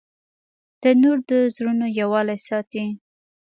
تنور د زړونو یووالی ساتي